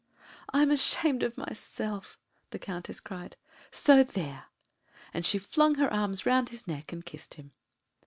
"And I'm ashamed of myself," the Countess cried, "so there!" and she flung her arms round his neck and kissed him.